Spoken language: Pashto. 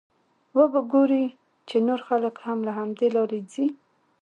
وبه ګورې چې نور خلک هم له همدې لارې ځي.